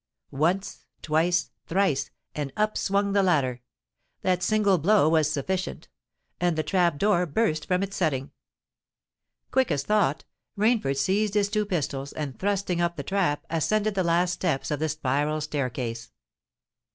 Once—twice—thrice—and up swung the ladder:—that single blow was sufficient—and the trap door burst from its setting. Quick as thought, Rainford seized his pistols, and thrusting up the trap, ascended the last few steps of the spiral staircase.